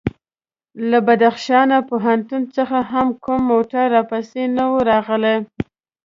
له بدخشان پوهنتون څخه هم کوم موټر راپسې نه و راغلی.